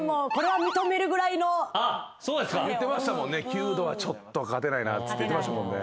「弓道」はちょっと勝てないなって言ってましたもんね。